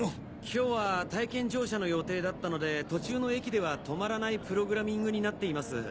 今日は体験乗車の予定だったので途中の駅では止まらないプログラミングになっています。